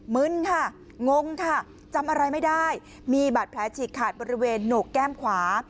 มึนค่ะงงค่ะจำอะไรไม่ได้มีบาดแผลฉีกขาดบริเวณโหนกแก้มขวา